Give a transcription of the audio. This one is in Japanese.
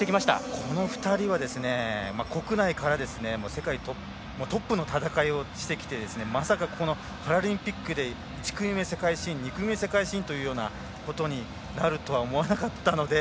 この２人は国内から世界トップの戦いをしてきてまさかこのパラリンピックで１組目、世界新２組目、世界新ということになるとは思わなかったので。